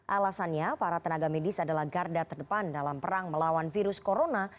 alasannya para tenaga medis adalah garda terdepan dalam perang melawan virus corona